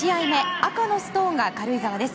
赤のストーンが軽井沢です。